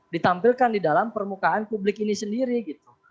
ditampilkan di dalam permukaan publik ini sendiri gitu